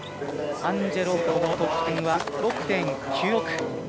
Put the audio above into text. アンジェロ・カーロの得点は６．９６。